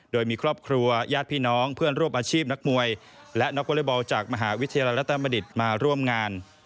โดยมีครอบครัวญาติพี่น้องเพื่อนร่วมอาชีพนักมวยและนักวอเล็กบอลจากมหาวิทยาลัยรัตนดิตมาร่วมงาน